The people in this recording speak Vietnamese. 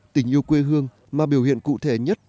tình yêu quê hương mà biểu hiện cụ thể nhất